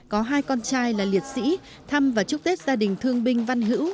có hai con trai là liệt sĩ thăm và chúc tết gia đình thương binh văn hữu